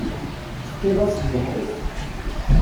Tefkiḍ-as ddḥis.